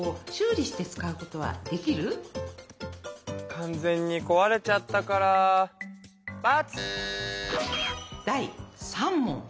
完全にこわれちゃったから×！